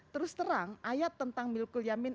terus terang ayat tentang milkul yamin